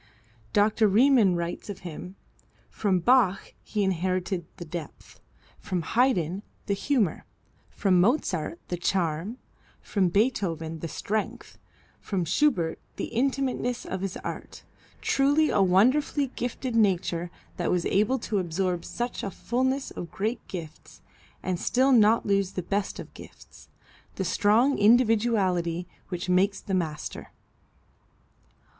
Dr. Riemann writes of him, "From Bach he inherited the depth, from Haydn, the humor, from Mozart, the charm, from Beethoven, the strength, from Schubert, the intimateness of his art. Truly a wonderfully gifted nature that was able to absorb such a fulness of great gifts and still not lose the best of gifts the strong individuality which makes the master."